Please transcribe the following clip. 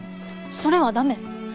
それは駄目。